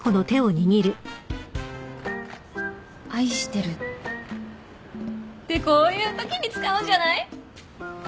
愛してるってこういうときに使うんじゃない？